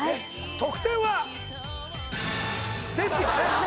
得点は？ですよね